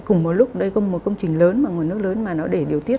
cùng một lúc đây có một công trình lớn mà nguồn nước lớn mà nó để điều tiết